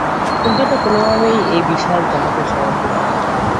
কিন্তু এটা কোনোভাবেই এই বিশাল জাহাজের সমাপ্তি টানবে না।